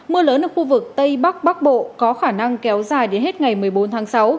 mưa lớn ở khu vực tây bắc bắc bộ có khả năng kéo dài đến hết ngày một mươi bốn tháng sáu